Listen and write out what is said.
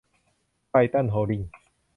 ไทรทัน โฮลดิ้ง